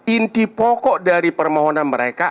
inti pokok dari permohonan mereka